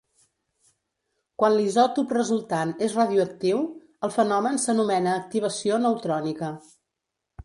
Quan l'isòtop resultant és radioactiu el fenomen s'anomena Activació Neutrònica.